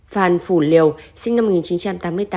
phan phủ lìu sinh năm một nghìn chín trăm tám mươi tám